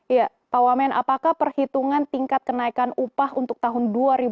iya pak wamen apakah perhitungan tingkat kenaikan upah untuk tahun dua ribu dua puluh